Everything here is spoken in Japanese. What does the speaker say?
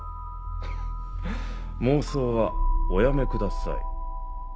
フフ妄想はおやめください。